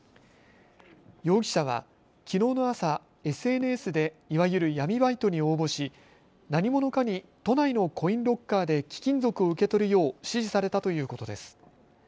容疑者はきのうの朝、ＳＮＳでいわゆる闇バイトに応募し何者かに都内のコインロッカーで貴金属を受け取るよう指示されたということです。